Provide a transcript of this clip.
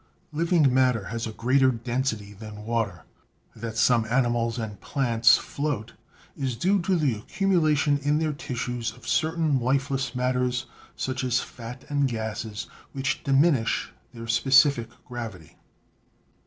Living matter has a greater density than water. That some animals and plants float is due to the accumulation in their tissues of certain lifeless matters such as fat and gasses, which diminish their specific gravity.